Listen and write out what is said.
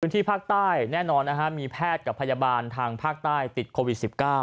ที่ภาคใต้แน่นอนนะฮะมีแพทย์กับพยาบาลทางภาคใต้ติดโควิด๑๙